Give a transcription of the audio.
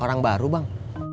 orang baru bang